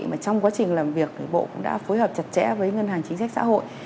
mà trong quá trình làm việc thì bộ cũng đã phối hợp chặt chẽ với ngân hàng chính sách xã hội